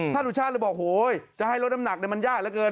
สุชาติเลยบอกโหจะให้ลดน้ำหนักมันยากเหลือเกิน